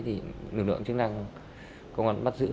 thì lực lượng chức năng công an bắt giữ